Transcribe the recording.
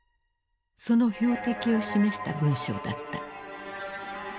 その標的を示した文章だった。